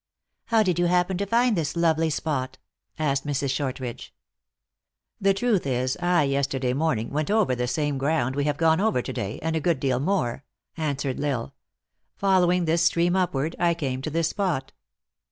" How did you happen to find this lovely spot ?" asked Mrs. Shortridge. "The truth is, I yesterday morning went over the same ground we have gone over to day, and a good deal more," answered L Isle. " Following this stream upward, I came to this spot.